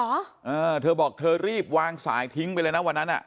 เออเธอบอกเธอรีบวางสายทิ้งไปเลยนะวันนั้นอ่ะ